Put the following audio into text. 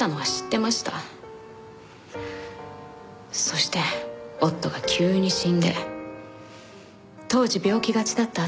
そして夫が急に死んで当時病気がちだった